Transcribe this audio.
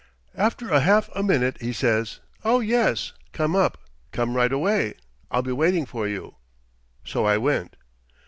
"After a half a minute he says, 'Oh, yes! Come up. Come right away. I'll be waiting for you.' "So I went."